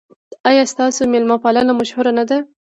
ایا ستاسو میلمه پالنه مشهوره نه ده؟